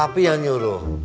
papi yang nyuruh